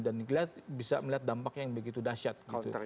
dan bisa melihat dampak yang begitu dahsyat